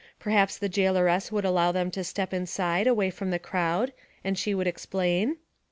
Perhaps the jailoress would allow them to step inside away from the crowd, and she would explain?